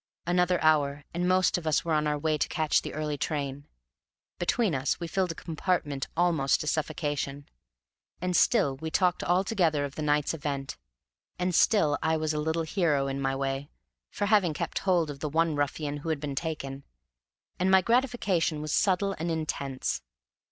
Another hour, and most of us were on our way to catch the early train; between us we filled a compartment almost to suffocation. And still we talked all together of the night's event; and still I was a little hero in my way, for having kept my hold of the one ruffian who had been taken; and my gratification was subtle and intense.